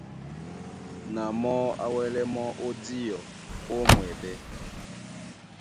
Na mɔ́ á wɛ́lɛ mɔ́ ó díɔ ó mwɛɓɛ́.